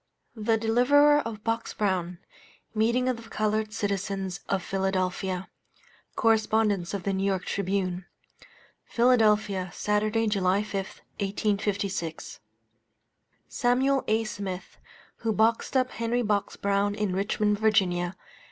THE DELIVERER OF BOX BROWN MEETING OF THE COLORED CITIZENS OF PHILADELPHIA. [Correspondence of the N.Y. Tribune.] PHILADELPHIA, Saturday, July 5, 1856. Samuel A. Smith, who boxed up Henry Box Brown in Richmond, Va.